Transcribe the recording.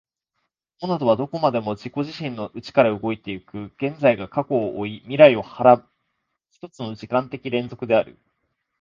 モナドはどこまでも自己自身の内から動いて行く、現在が過去を負い未来を孕はらむ一つの時間的連続である。